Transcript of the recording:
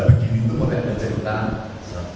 begini itu mulai ada cerita